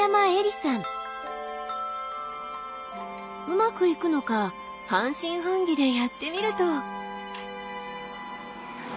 うまくいくのか半信半疑でやってみると。